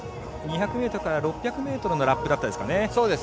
２００ｍから６００ｍのラップでしたかね。